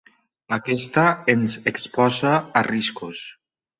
Aquesta ens exposa a riscos.